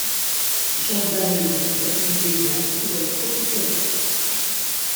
Jordan Levasseur y devient coureur professionnel.